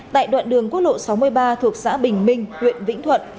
tại đoạn đường quốc lộ sáu mươi ba thuộc xã bình minh huyện vĩnh thuận